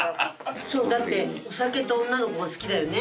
そうだってお酒と女の子が好きだよね。